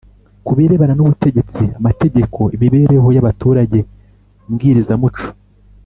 ku birebana n’ubutegetsi, amategeko, imibereho y’abaturage mbwirizamuco,